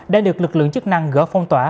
đã được lực lượng chức năng gỡ phong tỏa